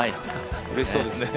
うれしそうですね。